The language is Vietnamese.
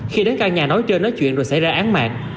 khi đến căn nhà nói chơi nói chuyện rồi xảy ra án mạng